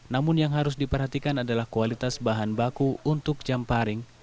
namun yang harus diperhatikan adalah kualitas bahan baku untuk jamparing